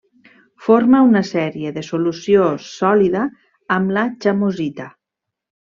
Forma una sèrie de solució sòlida amb la chamosita.